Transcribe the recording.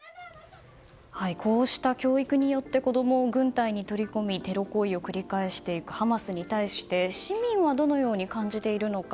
こうした教育によって子供を軍隊に取り込みテロ行為を繰り返していくハマスに対して市民はどのように感じているのか。